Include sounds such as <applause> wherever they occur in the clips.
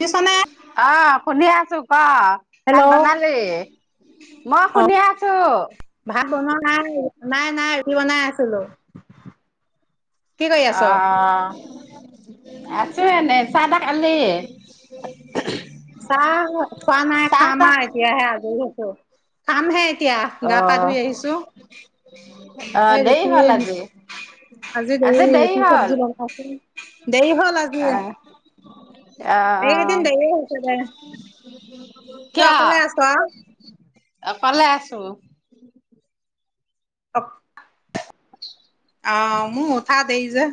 দিচনে অ', শুনি আছো, ক' হেল্ল' ভাত বনালি মই অ'। শুনি আছোঁ। ভাত বনোৱা নাই, নাই নাই ৰুটি বনাই আছিলোঁ। অ' আছোঁ এনেই চাহ তাহ খালি চাহ খোৱা নাই চাহ খাম তাহ আৰু এতিয়াহে আজৰি হৈছোঁ খামহে এতিয়া অ গা পা ধুই আহিছোঁ অ এই দেৰি ৰুটি হ'ল আজি আজি দেৰি ৰুটি চব্জি বনাইছোঁ দেৰি হ'ল আজি আহ আহ এইকেইদিন দেৰি হৈছে দে তই কিয় অকলে আছ আও অকলে আছোঁ অ' মোৰ উঠা দেৰি যে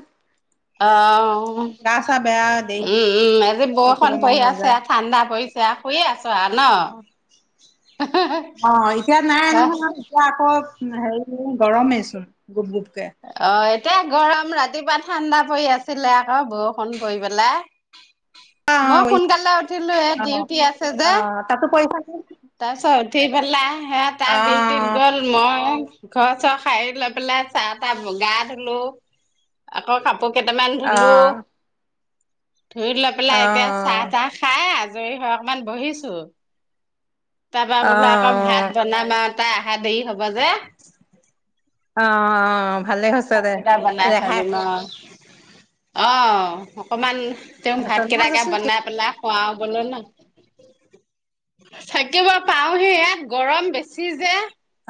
অ' উম গা চা বেয়া দেৰি উম আজি উঠিব বৰষুণ মন পৰি নাযায়। আছে ঠাণ্ডা পৰিছে ছে শুয়ে আছ আৰু ন অ' এতিয়া নাই নহয় এতিয়া আকৌ হেৰি গৰমেই চোন গুপ গোপকে অ' এতিয়া গৰম ৰাতিপুৱা ঠাণ্ডা পৰি আছিলে আকৌ বৰষুণ পৰি পেলাই অ' মই সোনকালে উঠিলো এই অ' ডিউটি আছে যে অহ তাতো কৰিছা নে? তাৰপিছত উঠি পেলাই হে তাৰ ডিউটিত অহ গল মই ঘৰ-চৰ শাৰী লৈ পেলাই চাহ-তাহ জোগাৰ দিলো আকৌ কাপ পোৰ কেইটামান ধুলো, অহ ধুই লৈ পেলাই এতিয়া অহ চাহ-তাহ খাই আজৰি হয় অকমান বহিছোঁ তাৰপা বোলো আকৌ অহ ভাত বনাম আৱ তাৰ আহা দেৰি হ'ব যে অহ ভালে হৈছে অ দে কিবা বনাই থৈ ৰেহাই দিম অ অ অকমান তেওঁক মাজেচোন ভাত কেইটাকে মাজে বনাই পেলাই খুৱাও বোলো ন থাকিব পাওহি ইয়াত গৰম বেছি যে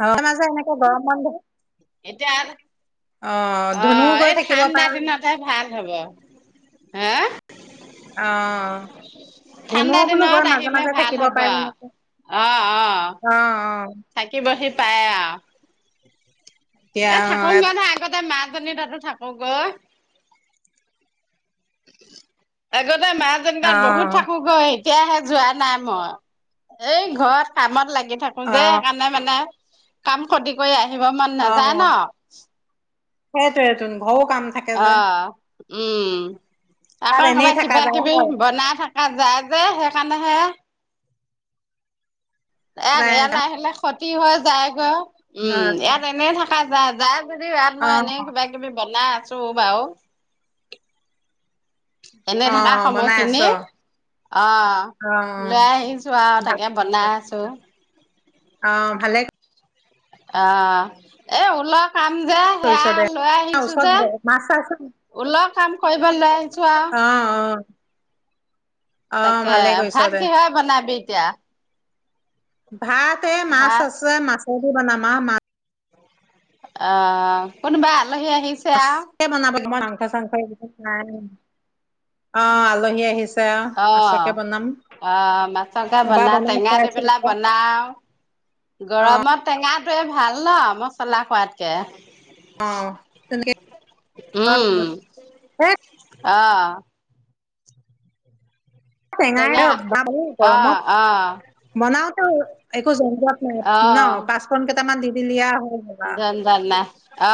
অ মাজে-মাজে এনেকে গৰম বন্ধ এতিয়া অ ধুনু গৈ থাকিব পাই তাইৰ ভাল হব। হা অ ধুনু ঠাণ্ডা বোলো গৈ দিনত মাজে আহিলে মাজে ভাল থাকিব হ'ব পাৰে এনেকে অ অ থাকিবহি পাৰে আও এতিয়া এ থাকক অহ সিহঁতে আগতে মাকজনীৰ তাতো থাকক গৈ আগতে মাজনী তাত বহুত অহ থাকোগৈ এতিয়াহে যোৱা নাই মই এই ঘৰত কামত লাগি থাকো যে সেইকা অহ কাৰণে মানে কাম ক্ষতি কৰি আহিব মন নাযায় ন সেইটোৱেতোন ঘৰৰো কাম থাকে যে অ উম তাত আকৌ এনেই কাবা থাকা কিবা যায় কিবি হয় বনাই থাক কা যায় যে সেইকাৰণেহে এয়াক যায় ইয়ালে আহিলে ক্ষতি হৈ যায়গৈ। উম, ইয়াত এনেই থাকা যায় যদিওঁ ইয়াত মই অহ এনে কিবা কিবি বনাই আছো বাৰু এনে থাকা অহ বনাই আছ সময়খিনি অ অহ লৈ আহিছো আৰু তাকে ভাল বনাই আছোঁ অ ভালে অ এ ঊলৰ কাম যে সেয়া কৰিছ দে লৈ আহিছো ওচৰত যে ব মাছ চাছ ঊলৰ কাম কৰিব লৈ আহিছো আৱ অ অ অ তাকে ভালে কৰিছ ভাত দে কিহে বনাবি এতিয়া? ভাত এ মাছ ভাত আছে মাছেদি বনাম আৱ মা আ কোনোবা আলহী আহিছ ছে বনাব মাংস চাংস নাই অ আলহী আহিছ ছে অ মাছকে বনাম অ' মাছকে এবাৰ বনা বনাই টেঙা দি খুৱাইছো পেলাই এতিয়া বনা আও গৰমত টেঙাটোৱে ভাল ন মছলা খোৱাতকে অ তেনেকে উম অ এ অ' টেঙাই টেঙা ধৰক খাওঁ আহ গৰমত আহ বনাওতেও একো জনজাত নাই ন আহ পাঁচপন কেইটামান দি দিলি আও হয়। জনজাত নাই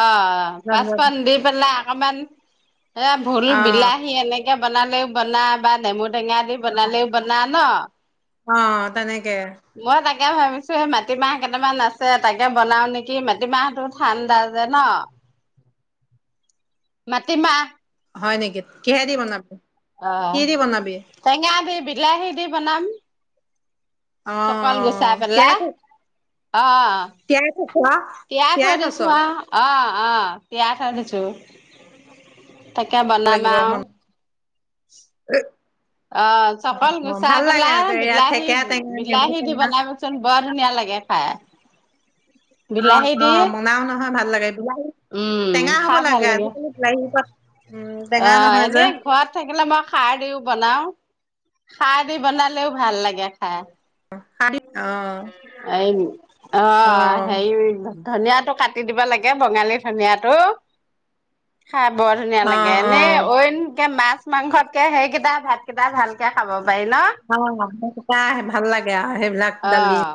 অ' জঞ্জট পাঁচপন দি পেলাই অকমান এ ভুল, অ বিলাহী এনেকে বনালেও বনা বা নেমু টেঙা দি বনালেও বনা ন অ' তেনেকে মই তাকে ভাবিছো এই মাটিমাহ কেইটামান আছে তাকে বনাও নেকি। মাটিমাহটো ঠাণ্ডা যে ন' মাটিমাহ। হয় নেকি কিহেদি বনাব? অ' টেঙা দি বিলাহী দি বনাম। অ চকাল গুচা পেলা তিয়াই থ অ' তিয়াই থৈছ' থৈ তিয়াই থৈছ'? দিছো আৰু অ' অ' তিয়াই থৈ দিছো তাকে বনাম লাগিব আৰু মন <inaudible> অ' চকল অ গুচাই ভাল লাগে পেলাই ইয়াত বিলাহী ঠেকেৰা টেঙা নেমু বিলাহী দি টেঙা বনাবা চোন বৰ ধুনীয়া লাগে খাই। অ' বিলাহী দি অ' বনাও নহয় ভাল লাগে বিলাহী উম টেঙা হব খাই ভাল লাগে। আজিকালি বিলাহী আক' উম টেঙা অ', নহয় যে। এনে ঘৰত থাকিলে মই খাৰ দিও বনাও। খাৰ দি বনালেও ভাল লাগে খাই। অ'। এই অ হেই ধনিয়াটো কাটি দিব লাগে বঙালী ধনিয়াটো খাই বৰ ধুনীয়া অ লাগে অ অ এনে অইনকে মাছ মাংসতকে সেইকেইটা ভাত কেইটা ভালকে খাব পাৰি ন? অ' সেইকেইটাই ভাল লাগে। আৰু সেইবিলাক দালি আহ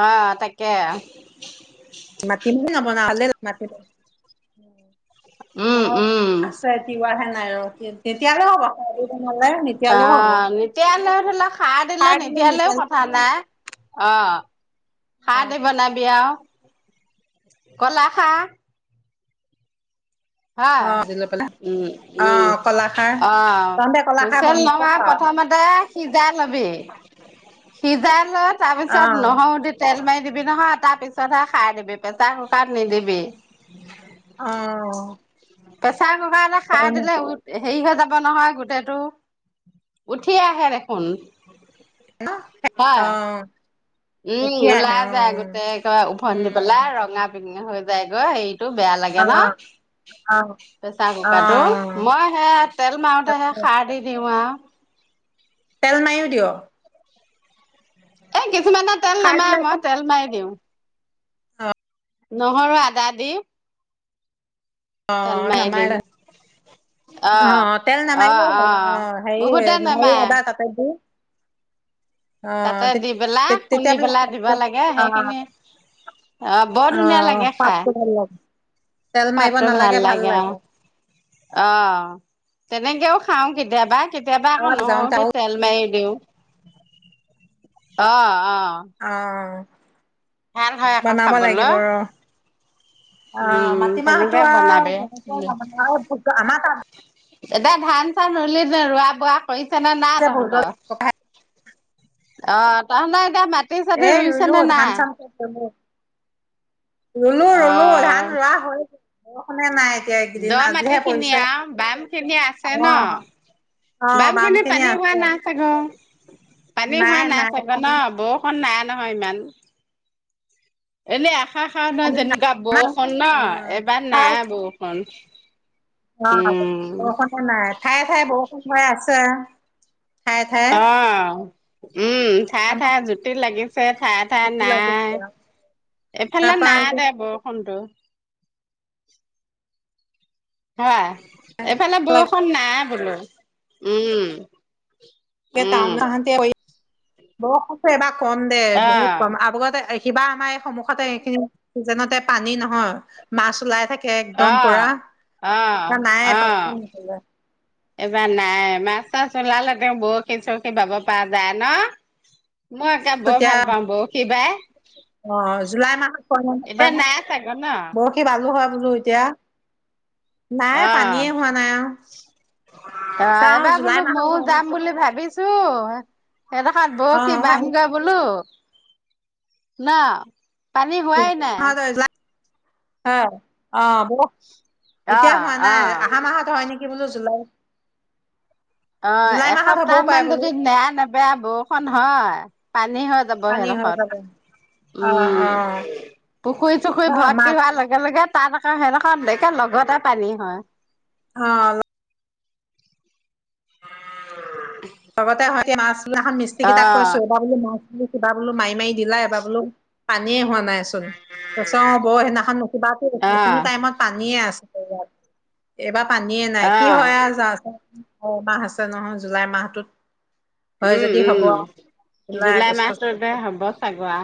আহ তাকে। মাটিমাহ নৱনুৱা হলে মাটিমাহ <inaudible> উম, মই উম। আছে তিৱাহে নাই ৰ নিতিয়ালৈ হ'ব নলে অ' নিতিয়ালৈও ধৰি লওক খাৰ দিলে নিতিয়ালৈও কথা নাই। অ' অ', খাৰ অ', দি বনাবি আৰু কলা খাৰ। হা? ভাজি লৈ পেলাই উম উম। অ', কলাখাৰ অ তহঁতে কলাখাৰ হুচেল বন ক'ত নহয় পাৱ? প্ৰথম তে সিজাই লবি সিজাই লৈ তাৰপিছত অ', নহৰু দি তেল মাৰি দিবি নহয় তাৰপিছতহে খাই দিবি প্ৰেছাৰ কুকাৰত নিদিবি। <inaudible> অ'। প্ৰেছাৰ কুকাৰতে খাৰ দিলে উ হেৰি হৈ যাব নহয় গোটেইটো উঠি আহে দেখোন। হয়। অঁ। উম ওলাই যায় গোটেই একেবাৰে ওফন্দি উম, পেলাই ৰঙা বেঙুনীয়া হৈ যায় গৈ হেই টো বেয়া লাগে ন' অ', অ', প্ৰেছাৰ কুকাৰটো অ', মই সেয়া তেল মাৰোতে হে তাকে খাৰ দি দিওঁ আৰু। তেল মাৰিও দিয়? এ' কিছুমানে তেল নামাৰে মই তেল মাৰি দিওঁ। অ'। নহৰু আদা দি। তেল মাৰি দিম। অঁ অঁ তেল অ নকৰিলেও অ হ'ব অঁ হেই বহুতে নহৰু নেমাৰে আদা তাতে দি অ', তাতে তে দি পেলাই তেতিয়া খুন্দি বোলে পেলাই দিব সোৱাদটো লাগে অ', সেইখিনি অ বৰ ধুনীয়া অ', লাগে খাই। সোৱাদটো ভাল লাগে তেল মাৰিব সোৱাদটো ভাল নালাগে লাগে অঁ। অ তেনেকেও খাওঁ কেতিয়াবা কেতিয়াবা আকৌ অ', যাওঁতে ন আৰু তেল মাৰি দিওঁ। অ অ। অ ভাল হয় আকৌ বনাব লাগিব খাবলৈ। ৰ। অ উম, তেনেকে মাটিমাহতো আৰু বনাবি। যেনেকে আমাৰ ত এতিয়া ধান চান ৰুলি যে ৰোৱা বোৱা কৰিছে নে নাই যে ভোজত তহঁতৰ তহটৰ গাওঁত মাটি চাটি ৰুইছে নে নাই। উ অ ৰোৱা হল। বৰষুণে নাই দ এইকেইদিন মাটি আজিহে খিনি পৰিঢ়িছে আৰু বাম খিনি আছে ন? দিছে অ কাম খিনি আছে। চাক পানী হোৱা নাই ন বৰষুণ নাই নহয় ইমান। এনে অহাৰ শাওনত পানী নাই যেনেকুৱা আমাৰ বৰষুণ ন উম এবাৰ ঠাই নাই বৰষুণ। অ উম, বৰষুণে নাই ঠায়ে ঠায়ে বৰষুণ হৈ আছে। ঠায়ে ঠায়ে অ উম থায়ে আমাক থায়ে জুতি লাগিছে। হে থাইয়ে থাইয়ে জুতি নাই লাগিছে আৰু এইফালে তাৰপৰা নাই দে বৰষুণটো। হয় এইফালে বৰষুণ নাই বোলোঁ উম। উম, তাউনহতি বৰষুণ আছে বা কম দে বহুত অ', কম আগতে কিবা আমাৰ এই সন্মুখতে এইখিনিজনতে পানী নহয় মাছ ওলাই থাকে। একদম অ', পুৰা অ', এ নাই অ'। না। এইবাৰ নাই মাছ চাছ ওলালে তেওঁ বৰশী চৰশী বাব পৰা যায় ন। মই এতিয়া বৰ ভাল পাওঁ বৰশী বাই। অ জুলাই মাহত ন এতিয়া নাই চাগে ন? বহুত বালো হয় বুলো এতিয়া নাই অ', পানীয়ে হোৱা নাই আৰু। অ চাওঁ এদায় জুলাই বোলোঁ মাহত মইয়ো হয় যাম নেকি বুলি আকৌ। ভাবিছোঁ। সেইডখত অ বৰশি বাম গৈ বোলোঁ ন। পানী হোৱাই <unintelligible> নাই। হ অ ব অ এতিয়া হোৱা অ নাই অহা মাহত হয় নেকি বোলোঁ জুলাইত। অ এসপ্তাহ মান যদি নেৰা নেপেৰা বৰষুণ হয় পানী হত পানী হয় যাব। অ অ উম পুখুৰী চুখুৰী বা ভৰ্তি মাছ হোৱাৰ লগে লগে তাত আক সেদখত লগতে পানী হয়। অ। <unintelligible> লগতে হয় মাছবলা এ মিস্ত্ৰী অ কিটাক কইছো এবাৰো মাছ কিবা বোলোঁ মাৰি মাৰি দিলা এবাৰ বোলোঁ। পানীয়ে হোৱা নাইচোন। অ বৌ সেইদিনাখন কিবা অ সেইখিনি টাইমত পানীয়ে আছে ইয়াত। এইবাৰ পানীয়ে নাই অ কি হয় আৰু পুহমাহ আছে নহয় জুলাই মাহটোত। হয় উম যদি হ'ব উম জুলাই মাহটোতে হ'ব ফাগোৱা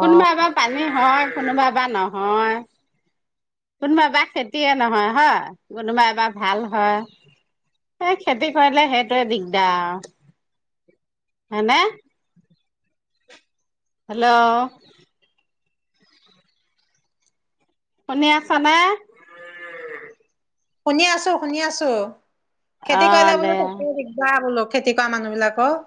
অ কোনোবা বা পানী হয় কোনোবা বা নহয়। কোনোবা এবাৰ খেতিয়ে নহয় হয়, কোনোবা এবাৰ ভাল হয়। এই খেতি কৰিলে, সেইটোয়ে দিগদাৰ আৰু হয়, নে? হেল্ল' শুনি আছানে? শুনি আছো, শুনি আছো, খেতি অ' কৰিলে দে বোলো খেতিৰ দিন না বোলো খেতি কৰা মানুহ বিলাকৰ,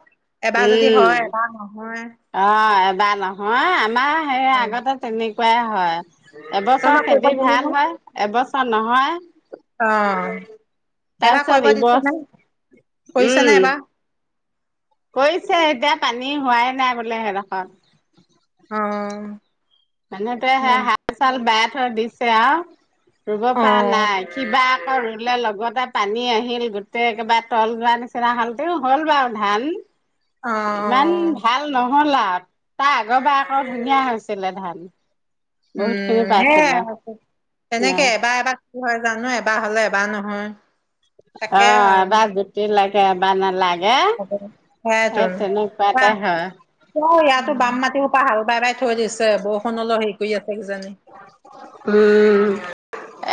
এবাৰ যদি উম হয় এবাৰ নহয়। অ এবাৰ নহয়, আমাৰ সেই আগতে তই তেনেকুৱাই হয়। মই এবছৰ কৰিব খেতি দিলি নে ভাল হয়, এবছৰ নহয়। অ এবাৰ তাৰপিছত কৰিব ইবছ দিছেনে, উম কৰিছেনে এবাৰ? কৰিছে এতিয়া, পানী হোৱাই নাই বোলে সেইডখত অ', মানুহটোৱে সেয়া হাল-চাল বায় থৈ দিছে, আও ৰুব পৰা অ', নাই কিবা আকৌ ৰুলে লগতে পানী আহিল, গোটেই একবাৰে তল যোৱাৰ নিচিনা হল, তেওঁ হ'ল বাও ধান। ইমান অ', ভাল নহল আও, তাৰ আগৰবাৰ আকৌ ধুনীয়া হৈছিলে ধান। উম উম, সেয়াই আৰু, তেনেকে এবাৰ এবাৰ কি হয় জানো, এবাৰ হলে এবাৰ নহয়। তাকে অ', এবাৰ গুতি লাগে, এবাৰ নালাগ সেয়াইতোন, আহ, হয় ইয়াটো বাম মাটিসোপ হাল বাই বাই থৈ দিছে, বৰষুণ অলপ হেৰি কৰি আছে কিজানি উম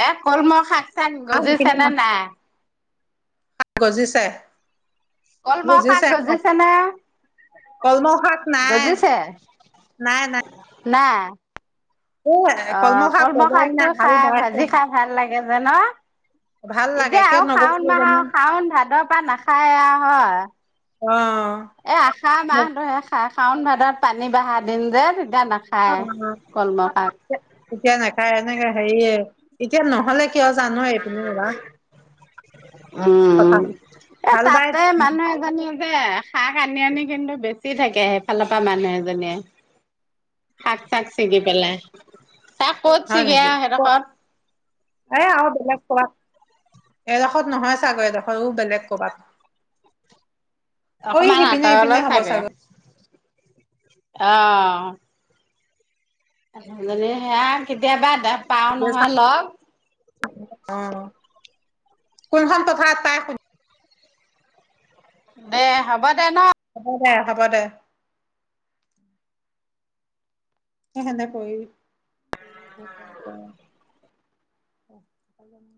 এ কলমৌ শাক চাক গজিছে নে <unintelligible> নাই? গজিছে। কলমৌ শাক গজিছে নে? কলমৌ শাক নাই, নাই, নাই। না এ অ' শাক কলমৌ গজাই শাকটো নাই হাল খাই, বাইছে ভাজি খাই, ভাল লাগে যে ন। ভাল লাগে এতিয়া কিয় আও শাওন নগজিলে মাহ জানো শাওন ভাদৰ পা নাখায় আও হয়। অ', এই আহাৰ মাহটোহে খায়, শাওন ভাদত পানী বঢ়া দিন যে তেতিয়া নাখ অ', এতিয়া নেখায়, এনেকে হেৰি এতিয়া নহলে কিয় জানো, এইপিনে ৰুৱা উম, উম, এ হাল বাই তাতে মানুহ এজনী যে শাক আনি, আনি কিন্তু বেছি থাকে, সেইফালৰ পৰা মানুহ এজনীয়ে। শাক-চাক চিঙি পেলাই তাক ক'ত হয়, ছিগে নেকি আৰু সেইডোখৰত এ আও বেলেগ কবাত। এইডোখৰত নহয় চাগৈ, এইডোখৰো বেলেগ ক'ৰবাত। <unintelligible> অকমান সিপিনে ইপিনে আঁতৰলৈ হ'ব চাগে চাগৈ অ' মানুুহ জনীক সেয়া কেতিয়াবা পাওঁ নহয় লগ। অ', কোনখন পথাৰত তাইক সোধ। দে হ'ব দে ন। হ'ব দে, হ'ব দে। এ সেনেকৈ <unintelligible>